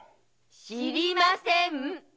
知りません！